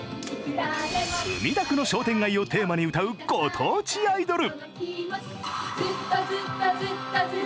墨田区の商店街をテーマに歌うご当地アイドル。